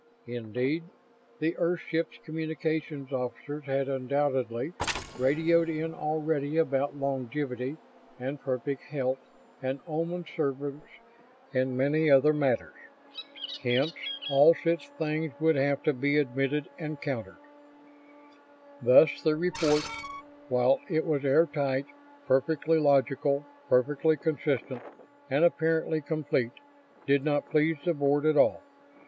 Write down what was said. Indeed, the Earthship's communications officers had undoubtedly radioed in already about longevity and perfect health and Oman service and many other matters. Hence all such things would have to be admitted and countered. Thus the report, while it was air tight, perfectly logical, perfectly consistent, and apparently complete, did not please the Board at all.